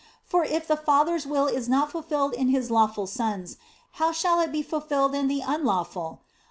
For if the Father s will is not fulfilled in His lawful sons, how shall it be fulfilled in the unlawful